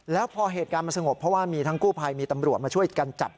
แล้วพอเหตุการณ์มันสงบเพราะว่ามีทั้งกู้ภัยมีตำรวจมาช่วยกันจับ